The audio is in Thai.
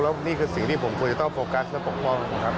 แล้วนี่คือสิ่งที่ผมควรจะต้องโฟกัสและปกป้องนะครับ